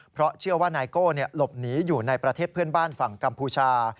เพราะเชื่อว่านายโก้หลบหนีอยู่ในประเทศเพื่อนบ้านฝั่งกัมพูชา